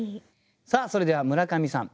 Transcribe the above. さあそれでは村上さん